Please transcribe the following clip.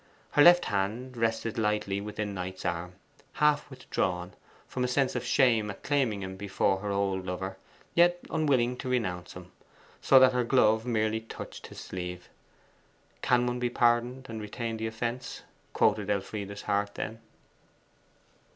Her left hand rested lightly within Knight's arm, half withdrawn, from a sense of shame at claiming him before her old lover, yet unwilling to renounce him; so that her glove merely touched his sleeve. '"Can one be pardoned, and retain the offence?"' quoted Elfride's heart then.